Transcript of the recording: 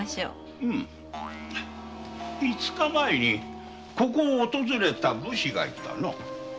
うむ五日前にここを訪れた武士がいたの？